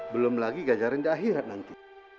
belum lagi jajaran di akhirat nanti